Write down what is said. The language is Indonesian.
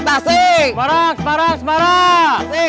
namanya signamurek sosial